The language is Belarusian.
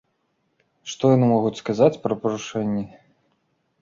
Што яны могуць сказаць пра парушэнні?